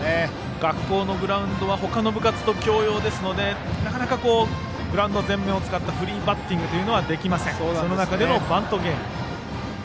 学校のグラウンドは他の部活と共用ですのでなかなかグラウンド全面を使ったフリーバッティングはできません。